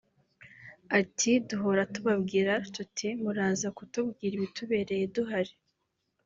Ati “Duhora tubabwira tuti muraza kutubwira ibitubereye duhari